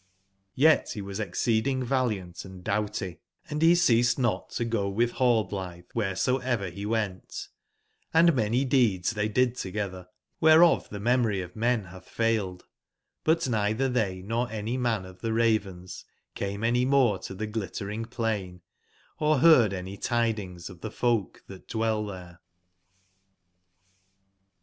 Y<^t he was exceeding valiant & doughty; and he ceased not to '■^y//u go with nallbUthc wheresoever be wertt; and many deeds tbey did togetbenwbereof tbe memory of men batb failed :butneitber tbey nor any man of tbe Ra vens came any more to tbe Glittering plain, or beard any tidings of tbe folk tbat dwell there.